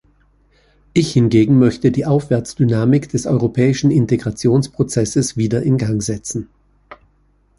Ich hingegen möchte die Aufwärtsdynamik des europäischen Integrationsprozesses wieder in Gang setzen.